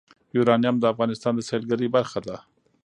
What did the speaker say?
یورانیم د افغانستان د سیلګرۍ برخه ده.